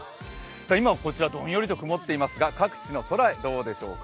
今、こちら、どんよりと曇っていますが各地の空、どうでしょうか。